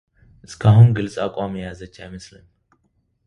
እስካሁን ግን ግልጽ አቋም የያዘች አይመስልም።